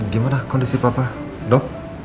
gimana kondisi papa dok